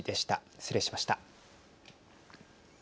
失礼しました。